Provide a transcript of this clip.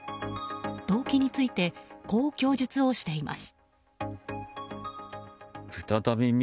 動機についてこう供述をしています。